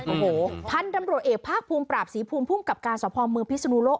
โอ้โหพันธุ์ตำรวจเอกภาคภูมิปราบศรีภูมิภูมิกับการสะพอเมืองพิศนุโลก